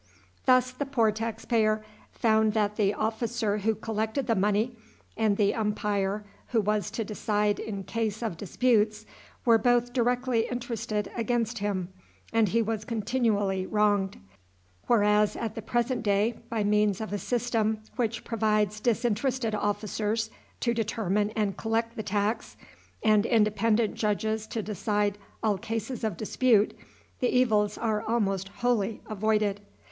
Thus the poor tax payer found that the officer who collected the money, and the umpire who was to decide in case of disputes, were both directly interested against him, and he was continually wronged; whereas, at the present day, by means of a system which provides disinterested officers to determine and collect the tax, and independent judges to decide all cases of dispute, the evils are almost wholly avoided.